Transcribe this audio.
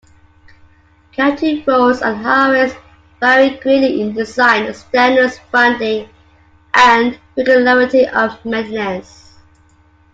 County roads and highways vary greatly in design standards, funding and regularity of maintenance.